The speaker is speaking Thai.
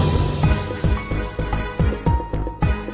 กินโทษส่องแล้วอย่างนี้ก็ได้